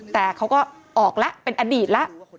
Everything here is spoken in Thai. แต่เขาก็ออกแล้วเป็นอดีตแล้ว